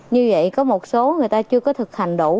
như vậy có một số người ta chưa có thực hành đủ